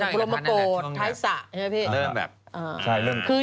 ปรมาโกดไทศสะใช่ไหมพี่